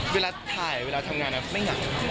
เวลาถ่ายเวลาทำงานไม่เหงา